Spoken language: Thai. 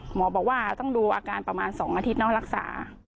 หมอบอกว่าต้องดูอาการประมาณ๒อาทิตย์น้องรักษา